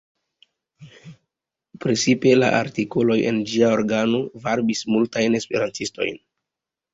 Precipe la artikoloj en ĝia organo varbis multajn E-istojn.